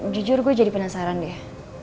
jujur gue jadi penasaran deh